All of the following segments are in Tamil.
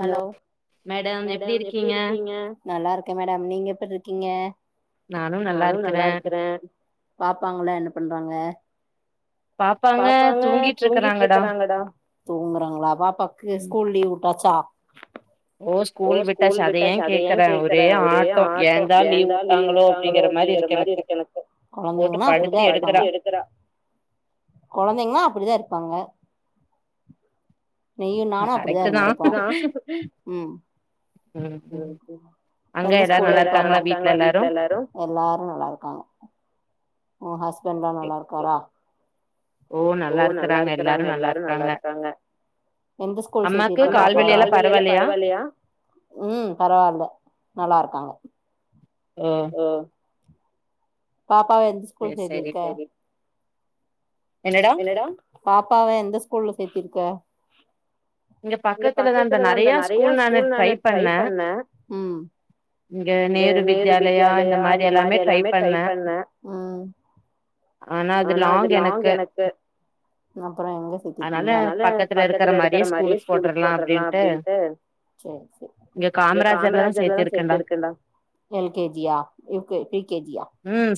ஹலோ மேடம் எப்டி இருக்கீங்க நல்லா இருக்க மேடம் நீங்க எப்புர்ருக்கீங்க நானு நல்லா இருக்குற பாப்பாங்களா என்ன பண்றாங்க பாப்பாங்க தூங்கிட்ருக்குறாங்கடா தூங்குறாங்களா பாப்பாக்கு ஸ்கூல் லீ்வ் வுட்டாச்சா ஓ ஸ்கூல் விட்டாச்சு அத ஏன் கேக்குற ஒரே ஆட்டொ ஏந்தா லீவ் உட்டாங்களோ அப்டிங்கிற மாரி இருக்கு எனக்கூ கொழந்தைங்கனா அப்புடி தா இருப்பாங்க போட்டு படுத்தி எடுக்குறா கொழந்தைங்கனா அப்புடி தா இருப்பாங்க நீயு நானு அப்புடி தா [unintelligible] ம் எந்த ஸ்கூலு பாப்பா [unintelligible] நல்லா இருக்காங்களா வீட்ல எல்லாரு எல்லாரு நல்லா இருக்காங்க உ ஹஸ்பண்ட்லா நல்லா இருக்காரா ஓ நல்லா இருக்குறாங்க எல்லாரு நல்லா இருக்காங்க எந்த ஸ்கூல் சேத்திருக்க பாப்பாவ அம்மாக்கு கால் வலி எல்லா பரவால்லயா ம் பரவால்ல நல்லா இருக்காங்க ம் பாப்பாவ எந்த ஸ்கூல் சேத்திருக்க சேரி என்னடா பாப்பாவ எந்த ஸ்கூல்ல சேத்திருக்க இங்க பக்கத்துல தா இந்த நறையா ஸ்கூல் நானு ட்ரை பண்ண இங்க நேரு வித்யாலயா இந்த மாரி எல்லாமே ட்ரை பண்ண பண்ண ம் ஆனா அது லாங் எனக்கு அப்பறோ எங்க சேத்திருக்கீங்க அதனால பக்கத்துல இருக்கற அதே ஸ்கூல்க்கு போட்ரல்லா அப்டின்டு சேர் சேர் இங்க காமராஜர்ல தா சேத்திருக்கன்டா எல் கே ஜியா யூ கே ப்ரீ கே ஜியா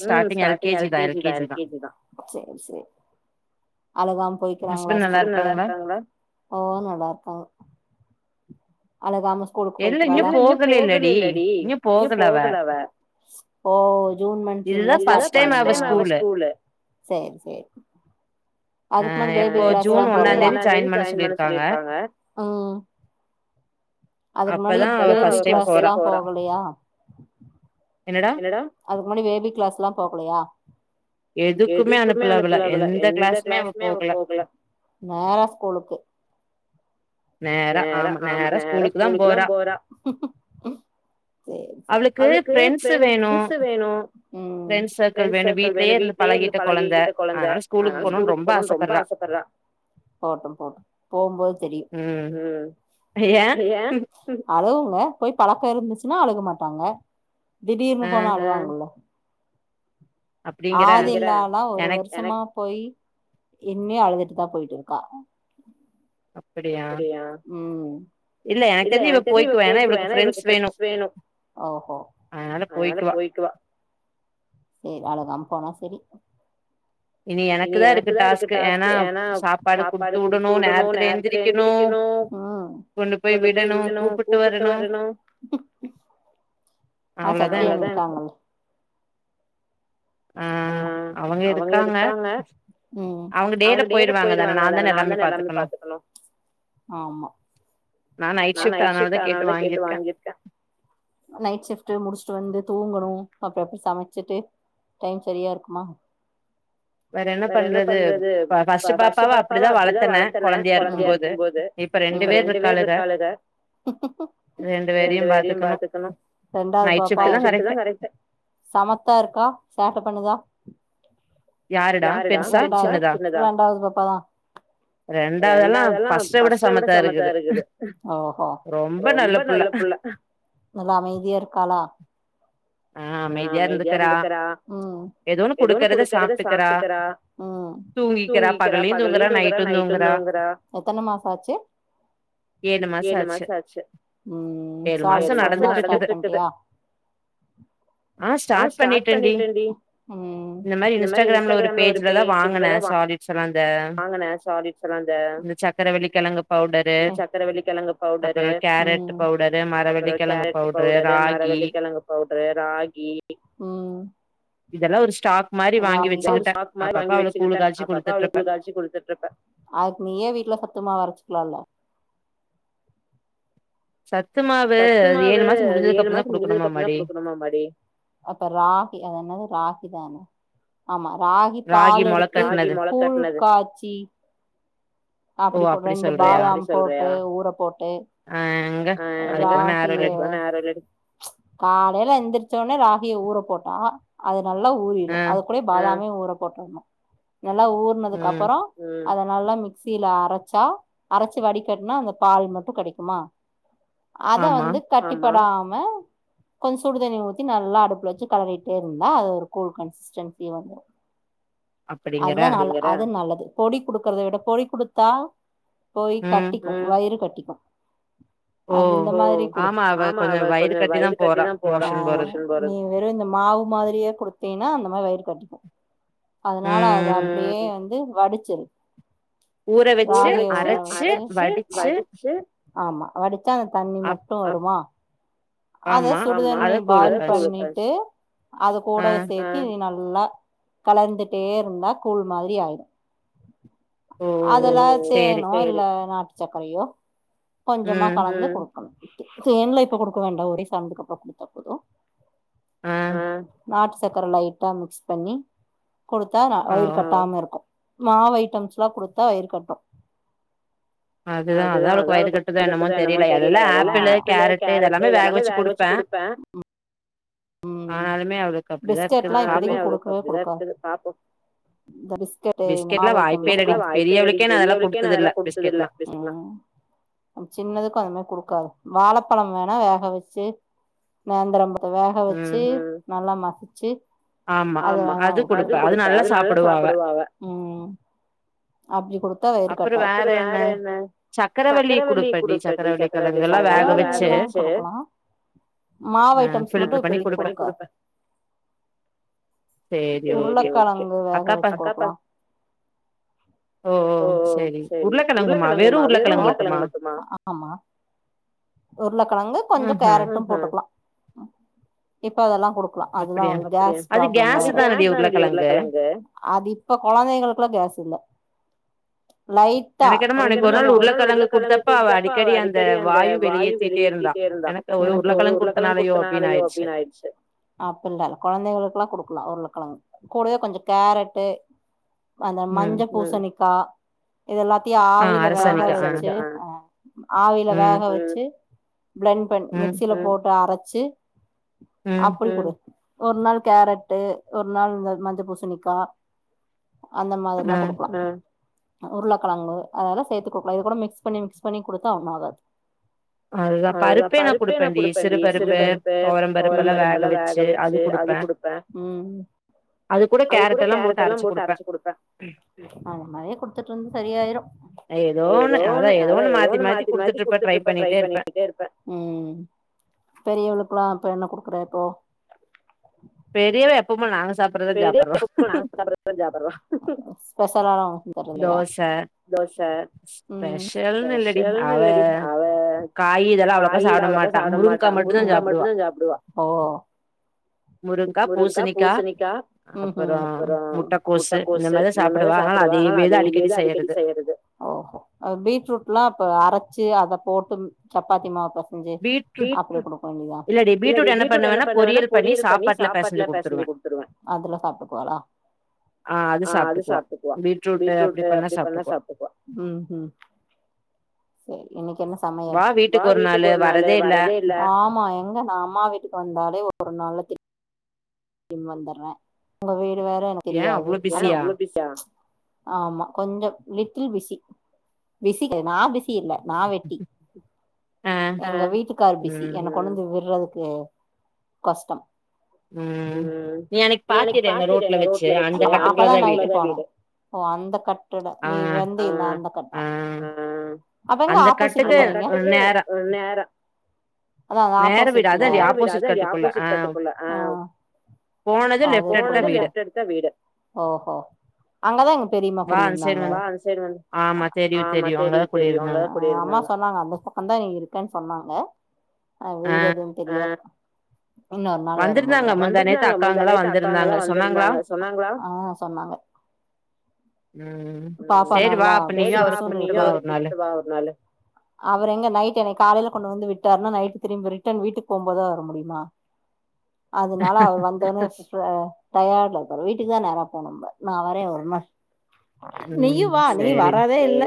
ம் ஸ்டார்டிங் எல் கேஜி தா எல் கேஜி தா சேர் சேர் அழுகாம போய்கிறாங்களா ஸ்கூலுக்கு ஹஸ்பண்ட் நல்லா இருக்காங்களா ஓ நல்லா இருக்காங்க அழுகாம ஸ்கூலுக்கு போய்குறாளா [unintelligible] போகலல்லடி இன்யூ போகல அவ ஓ ஜுன் மந்த்லந் தா ஸ்டாட் பண்ணுமா [unintelligible] டைம் அவ ஸ்கூலு சேர் சேரி அதுக் முன்னாடி பேபிக்ளாஸ் லா போலயா அ எப்போ ஜுன் ஒன்னாந் தேதி ஜாயின் பண்ண சொல்லிருக்காங்க ம் அத் முன்னாடி பேபிக்ளாஸ் லா போகலையா அதுக் முன்னாடி பேபிக்ளாஸ்லா போகலையா எதுக்குமே அனுப்பல அவள எந்த கிளாஸ் எந்த கிளாஸ்மே அவ போகல நேரா ஸ்கூலுக்கு நேரா ஆமா நேரா ஸ்கூலுக்கு தா போறா அவளுக்கு ப்ரண்ஸ்ஸு வேணு ஃப்ரண்ஸ் சர்க்கிள் வேணு வீட்லயே இருந்து பழகிட்ட கொழந்த அதனால ஸ்கூலுக் போனுன் ரொம்ப ஆசப்பட்றா ஃப்ரி ம் ஏ அளவு ல போய் பலக்கோ இருந்துச்சுனா அலுக மாட்டாங்க திடீர்னு போனா அழுக வருல்ல ஆதிலாலா ஒரு வருஷமா போயி் இன்னியு அழுதுட்டுதா போயிட்டு இருக்கா அப்புடியா ம் இல்ல எனக்கு தெரிஞ்சி இவ போய்க்குவா ஏன்னா இவளுக்கு ஃப்ரெண்ட்ஸ் வேணு அதனால போய்க்குவா போனா செரி இனி எனக்கு தா இருக் கு தா இருக்கு டாஸ்க்கு ஏன்னா சாப்பாடு குடுத்து வுடணு நேரத்துல எந்திரிக்கணு கொண்டு போய் விடணு கூப்பிட்டு வரணு ஆ சத்தியா வந்துட்டாங்க அவ்ளதா எனக்கு அ அவங்க இருக்காங்க அவங்க டேல போயிருவாங்கதான நா தான எல்லாமே பாத்துக்கனு அனால நைட் ஷிஃப்ட்டு அதனாலதா கேட்டு வாங்கிருக்கே நைட் ஷிப்ட் முடிச்சுட்டு வந்து தூங்கணு அப்ப‌ அப்ப சமச்சிட்டு டைம் சரியாருக்குமா வேற என்ன பண்றது ப பஸ்ட்டு பாப்பாவ அப்டிதா வளத்தன கொழந்தையாருக்கும்போது இப்ப ரெண்டு பேர்ருக்காளுக ரெண்டு பேரையு பாத்துக்கணு ரெண்டாவது பாப்பா நைட் ஷிஃப்ட்டு தா கரெக்ட்டு சமத்தாருக்கா சேட்ட பண்ணுதா யாருடா பெருசா சின்னதா ரெண்டாவது ரெண்டாவது பாப்பா தா ரெண்டாவதெல்லா பஸ்ட்ட விட சமத்தா இருக்குது ரொம்ப நல்ல பிள்ள நல்ல அமைதியருக்காலா அ அமைதியா இருந்துக்கறா ஏதோ ஒன்னு குடுக்கறத சாப்ட்டுக்கறா தூங்கிக்கிறா பகல்லையு தூங்குறா நைட்டு தூங்குறா ஏழு மாசோ ஆச்சு‌ ஏழு மாசோ நடந்துட்ருக்குது ஆ ஸ்டார்ட் பண்ணிட்டேன்டி கேண்டி ம் இந்த மாரி இன்ஸ்டாகிராம்ல ஒரு பேஜ்ல தா வாங் வாங்குன சாலிட்ஸ்லா அந்த அந்த சக்கரவெள்ளிக்கெலங்கு பவுடரு அப்புறோ கேரட்டு பவுடரு மர வெள்ளிக்கெலங்கு பவுட் அது ராகி ம் வாங்கி [unintelligible] ஸ்டாக் மாரி வாங்கி வச்சுக்கிட்டே அப்ப அப்ப அவளுக் கூல்காச்சி குடுத்துட் இருப்பே அதுக்கு நீயே வீட்டுல சத்துமாவ் அரச்சுக்லால சத்து மாவு ஏழு மாச முடிஞ்சதுக்கு அப்றோந்தா குடுக்கணுமாமாடி அப்ப ராகி அத என்னது ராகி தான ஆமா ராகி பால் எடுத்து கூல் காச்சி அப்படி கொ ரெண்டு பாதாம் போட்டு ஊர போட்டு எல்லாதேயு [unintelligible] ச் காலையில எந்திரிச்சோனே ராகிய ஊற போட்டா அ நல்லா ஊறிரு அத கூடேயே பாதம் னு ஊற போட்றனு நல்லா ஊர்னதுக்கு அப்புறோ அத நல்லா மிக்சியில அரச்சா அரச்சி வடிக்கட்னா அந்த பால் மட்டு கெடைக்குமா அத வந்து கட்டிப்படாம் மா கொஞ் சுடுதண்ணி ஊத்தி நல்லா அடுப்புல வச்சு கலறிட்டே இருந்தா அது ஒரு கூல் கன்சிஸ்டன்சி வந்துரு அதுதா நல்ல அது நல்லது பொடி குடுக்குறத விட பொடி குடுத்தா போய் கட்டிக்கு ம் வயிறு கட்டி அது இந்த மாரி குடு ஆமா அவ கொஞ்சோ வயிறு கட்டிதா போற அஹ மோஷன் போரது நீ வெறும் இந்த மாவு மாத்ரியே குடுத்தீன்னா அந்த மாரி வயிறு கட்டிக்கு அதனால அது அப்டியே வந்து வடுச்சுரு ஊற வச்சு அரச்சு வடிச்சு ஆமா ஆடு ச்சா அந்த தண்ணி மட்டு வருமா அத சுடுதண்ணி பாய்ல் பண்ணிட்டு அது கூட [inaudible] சேத்தி நல் ல்லா கலந்துட்டே இருந்தா கூழ் மாத்ரி ஆயிரு அதெல்லா தேணோ [unintelligible] இல்ல நாட் சக்கரயோ கொஞ்சமா கலந்து ம் குடு தேன்லா இப்போ குடு கொ வேண்டா ஒரே சாந்துக்கு அப்றோ குடுத்த போது ஆஹ் நாட்டு சக்கர லைட்டா மிக்ஸ் பண்ணி குடுத்தா ந வயிறு கட்டாம இருக்கு மாவு ஐட்டம்ஸ்லா குடுத்தா வயிறு கட்டும். அதுதான் அதான் அவளுக்கு அதுதான் அதாளுக்கு வயிறு கட்டுத கொஞ்ச என்னமோ தெரியல எதல்ல ஆப்பிளு கேரட் - - இது எல்லாமே வேகவெச்சு கொடுப்பேன். ம், ஹும்ம்ம். பிஸ்கட்லாம் இப்போதைக்கு கொடுக்கவே கொடுக்காதே, ஆனாலுமே அவளுக்கு அப்படித்தான் இருக்குது பாப்போம். இந்த பிஸ்கட் மாவைட்டம்லாம் குடுக்காத. பிஸ்கட்லாம் வாய்ப்பே இல்லைடி, பெரியவளுக்ககே நான் அதெல்லாம் கொடுத்த - - அதுல்ல பேசிக்கலாம் வாழப்பழம் வே [unintelligible] வேக வச்சு நேந்தரம் ப - - வேக வச்சு. நல்லா ம ச்சீ. ஆமா [inaudible] அது குடுப்பே அது நல்லா சாப்பிடுவா அவ ம் ம் அப்டி கொடுத்தா வயுறு கட்டாது. அப்புறம் வேறென்ன? சக்கரவள்ளி குடுப்பண்டி சக்கரவள்ளி கெழங்கெல்லாம் [inaudible] வேக வச்- - [unintelligible] ஹலோ. மாவைட்டம்ஸ் மட்டும் ஃபில்ட்டர் பன்னிக்குடுப்பேன். உருளைக்கெழங்கு வேக வெச்சு குடுக்கலாம். சரி, உருளக்கிழங்குமா? ஆம், வெறும் உருளக்கிழங்கு மட்டுமா? ஆமாம், உருளக் - - கெழங்கு கொஞ்சம் கேரட்டும் போட்டுக் - - வ இப்ப அதல்லாம் குடுக்கலாம். அதுதான் வந்து கேஸ் ப்ராப்ளம் வேற அது இப்ப கொழந்தைகளுக்குல்லாம் கேஸ் இல்ல. லைட்டா கொஞ்சமா உம் ஹும் அப்டில்லாம் இல்ல கொழந்தைகளுக்களாம் குடுக்கலாம் உருளக்கெழங்கு கூடவே கொஞ்ச கேரட்டு - - அந்த மஞ்ச பூசணி, ம். ப இது எல்லாத்தையும் ஆவில வேக வச்சு ஆவில வேக வச்சு பிளண்ட் பன் மிக்சியில போட்டு அரைச் வச்சு ஆப்பிள் குடு ஒரு நாள் கேரட்டு ஒரு நாள் இந்த மஞ்ச பூசணிக்கா அந்த மாறில்லா குடுக்கலாம் உருளக்கிழங்கு அதெல்லா சேதுக்கக்கூடாது இது கூட மிக்ஸ் பண்ணி மிக்ஸ் பண்ணி குடுத்தா ஒண்ணும் ஆகாது அதுதா பருப்பே நா குடுப்பே டி சிறு பருப்பு தொவரம் பருப்பு எல்லாம் வேக வச்சு அதுகுடுப்ப அது கூட கேரெட் எல்லா போட்டு அரச்சி குடுப்பே ஏதோ ஒன்னு அதா எதோ ஒண்ணு மாத்தி மாத்தி குடுத்துட்டு இருப்பே இருப்பே உம் பெரியவளுக்குலா ஆ இப்ப என்ன குடுக்குற இப்போ பெரியவே எப்பமா நங்க பெரிய [unintelligible] நாங்க சாப்ப சாப்புட்றததா சாப்புடுவா ஸ்பெஷலலா ஒன்னு [unintelligible] தோஸ ஸ்பெஷல்னு இல்லடி அவ காயி அவ்ளோக்கா சாப்ட மாட்டா உ முருங்கா மட்டு்தா சாப்டுவா ஓ முருங்கா பூஸணி கா ம்ஹூம் அப்புறோ முட்டகோஸு இந்த மாரிதா சாப்புடுவா ப்ப அத்னால அதேவேதா அடிக்கடி செய்யறது ஓ பீட்ரூட்லா அப்ப அர வச்சு அத போட்டு சப்பாத்தி மாவுப்பெ ஞ்சு பீட் அப்படி கொடுக வேண்டியதா இல்லடி பீட்ரூட் என்ன பண்ணுவெனா பொறியல் பண்ணி சாப்பாட்ல பெஸஞ்சு குடுத்துருவே அதுலா சாப்டுக்குவாலா ஆஹ் அது சாப்பிடுக்குவா பீட்ரூட் அப்டி பண்ணா சாப்பிட்டுக்குவா உம் உம் ஸரி இன்னிக் என்ன சமையல் வா வீட்டுக்கு ஒரு நாளு வரதேயில்ல ஆமா எங்க நா அம்மா வீட்டுக்கு வந்தாலே ஒரு நாள் [unintelligible] வர ஒன தெர்யாது [unintelligible] ஆமா கொஞ்சோ லிட்டில் பிஸி பிசி [inaudible] நா பிஸி இல்ல நா வெட்டி. எங்க வீட்டுக்காரு பிஸி என்ன கொண்டு வந்து விட்றதுக் கே கஸ்டம் ம் நீ அன்னைக்கு பாத்தில்ல என்ன ரோட்ல வெச்சு அப்பதா நைட் போனோ ஓ அந்த கட்டோட நீ வந்தில ஆ அந்த கட்ட ஆ அந்த கட்டுக்கு நேரா நேரா அத தா ஆப்போஸிட்ல நேர வீடு அதான்டி ஆப்போஸிட் கட்டுக்குள்ள ஆஹ் ஆ அது போனது லெஃப்ட் எடுத்த வீடு ஓ ‌ஹோ அங்க தா எங்க பெரிம்மா குடியிருந்தாங்க வா அந் சைடு வந் ஆமா தெரியு தெரியு இல்ல குடியிருந்தாங் அம்மா சொன்னாங்க அந்த பக்க தா நீ இருக்கன் சொன்னாங்க அஹ் வீடெதும் தெரியா ஆ இன்னொரு நாள் வருபோது வரே வந்திருந்தாங்க முந்தாநேத்து அக்காங்களா வந்திருந்தாங்க சொன்னாகளா ஆ சொன்னாங்க பாப்பா நல்லா பூசு பூசுனு இருக்கு சரி வா அப்ப நீயு அவற கூப்டு வா ஒருநாளு அவரு எங்க நைட்டு என் கொண்டு வந்து விட்டார்னா நைட் திரும்பி ரிட்டன் வீட்டுக் போம்போதுதா வர முடியுமா அதுனால அவரு வந்த [unintelligible] அ டயாட்ல இர்பாரு வீட்டுக்கு தா நேரா போனும்பாரு நா வரே ஒர் நாள் நீயு வா நீ வரதே இல்ல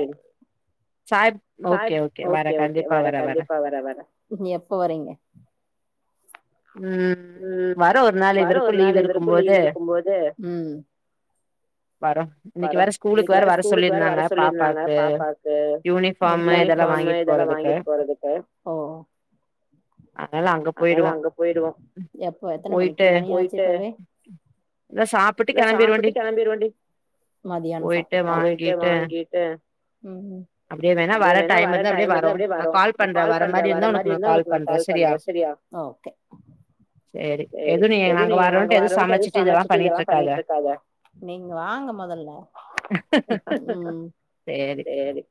[unintelligible] ஓகே ஓகே வரே கண்டிப்பா வரே கண்டிப்பா வர வர இனி எப்போ வரீங்க உம் வர ஒரு நாள் இவருக்கு லீவ் இருக்கும்போது ம் வரோ இன்னைக்கு வேற ஸ்கூலுக்கு வேற வர சொல்லிருந்தாங்க பாப்பாக்கு [inaudible] யுனிஃபாமு இதெல்லா வாங்கிட் போறதுக்கு ஓ அதனால அங்க போயிருவோ எப்போ எத்தன மணிக்கு [inaudible] எல்லா சாப்புட்டு கெளம்பிருவேன்டி. மதியானோ சாப்புட்டா? போய்ட்டு வாங்கிட்டு உம் அப்டியே வேணா வர டைம் இருந்தா அப்டியே வரோ நா கால் பண்றே வர மாரி இருந்தா உனக்கு நா கால் பண்றே சரியா ஓகே சேரி எது நீ நாங்க வரவன்ட்டு எது சமைச்சிட்டு இதெல்லா பண்ணிட்டு இருக்காத நீங்க வாங்க முதல்ல [inaudible] ம்ம் சேரி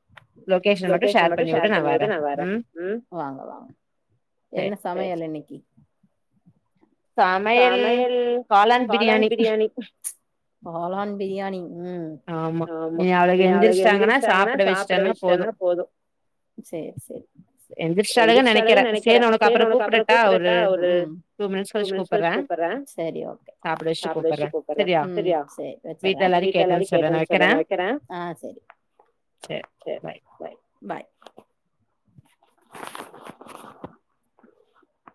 லொகேஷன் மட்டு ஷேர் பண்ணி விடு நா வரே உம் வாங்க வாங்க என்ன சமையல் இன்னைக்கு சமையல் காளான் பிரியாணி [inaudible] களான் பிரியாணி உம் ம் ஆமா நீ அவளுக்கு எந்திரிச்சாங்கன்னா சாப்பிட வச்சுட்டனா போது சேரி சேரி எந்திரிச்சிட்டாலுங்க நெனைக்கற சேரி உனக்கு அப்புறோ கூப்பிடட்டா ஒரு டூ மினிட்ஸ் கழிச்சு கூப்பிடுற சரி ஓக்கே சாப்பிட வச்சுட்டு கூப்பிடுற ம் சரியா சேரி வச்சர்றே [unintelligible] கேட்டேன்னு சொல்லு நா வைக்கிறே ஆ செரி செரி பாய் பாய்